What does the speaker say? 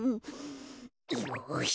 よし。